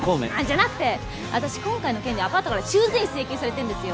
じゃなくて私今回の件でアパートから修繕費請求されてるんですよ。